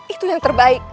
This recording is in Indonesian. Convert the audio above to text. itu yang terbaik